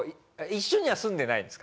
一緒には住んでないんですか？